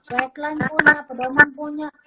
guideline punya pedoman punya